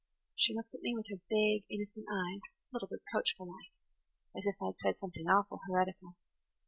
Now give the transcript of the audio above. She looked at me with her big, innocent eyes, a little reproachful like, as if I'd said something awful heretical.